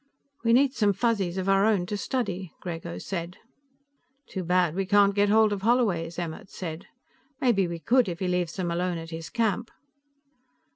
"We need some Fuzzies of our own to study," Grego said. "Too bad we can't get hold of Holloway's," Emmert said. "Maybe we could, if he leaves them alone at his camp."